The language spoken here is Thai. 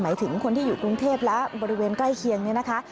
หมายถึงคนที่อยู่กรุงเทพและบริเวณใกล้เคียงเนี่ยนะคะ